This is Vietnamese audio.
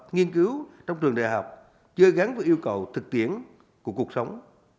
nghiên cứu trong trường đại học chưa gắn với yêu cầu thực tiễn của cuộc sống